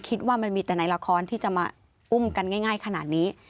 คิดว่ามันมีแต่ในละครที่จะมาอุ้มกันง่ายขนาดนี้